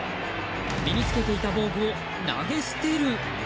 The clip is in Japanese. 身に着けていた防具を投げ捨てる。